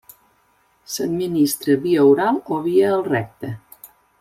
S'administra via oral o via el recte.